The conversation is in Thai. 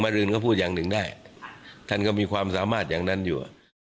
อื่นก็พูดอย่างหนึ่งได้ท่านก็มีความสามารถอย่างนั้นอยู่